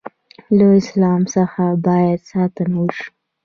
له اسلام څخه باید ساتنه وشي.